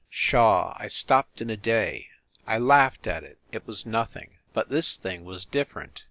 Pshaw! I stopped in a day. I laughed at it. It was nothing. But this thing was different.